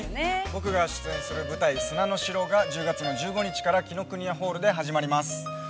◆僕が出演する舞台「砂の城」が１０月１５日から紀伊國屋ホールで始まります。